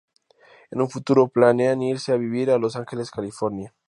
En un futuro planean irse a vivir a Los Ángeles, California.